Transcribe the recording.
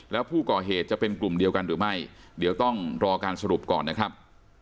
แล้วผู้ก่อเหตุจะเป็นกลุ่มเดียวกันหรือไม่เดี๋ยวต้องรอการสรุปก่อนนะครับ